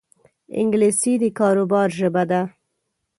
انګلیسي د کاروبار ژبه ده